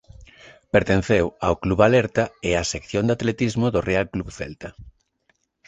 Pertenceu ao Club Alerta e á sección de atletismo do Real Club Celta.